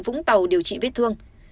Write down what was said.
vũng tàu điều trị viết thương